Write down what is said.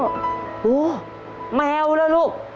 โอ้โฮแมวละลูก